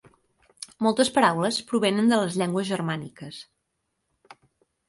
Moltes paraules provenen de les llengües germàniques.